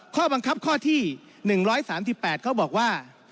ข้อบังคับข้อที่๑๓๘เขาบอกว่า